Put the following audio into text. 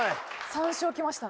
３笑きました。